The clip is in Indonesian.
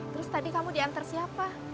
terus tadi kamu diantar siapa